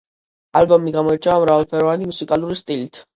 ალბომი გამოირჩევა მრავალფეროვანი მუსიკალური სტილით.